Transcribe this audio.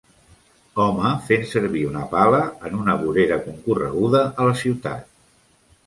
Home fent servir una pala en una vorera concorreguda a la ciutat.